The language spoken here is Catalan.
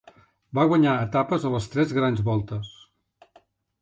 Va guanyar etapes a les tres Grans Voltes.